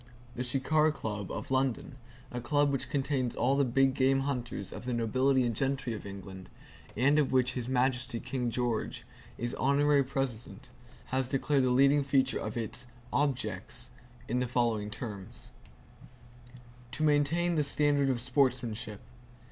The Shikar Club, of London, a club which contains all the big game hunters of the nobility and gentry of England, [Q] and of which His Majesty King George is Honorary President, has declared the leading feature of its "Objects" in the following terms: "To maintain the standard of sportsmanship.